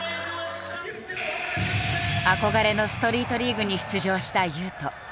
憧れのストリートリーグに出場した雄斗。